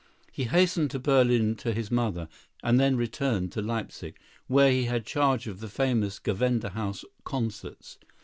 He hastened to Berlin to his mother, and then returned to Leipsic, where he had charge of the famous Gewandhaus concerts.